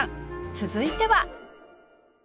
続いては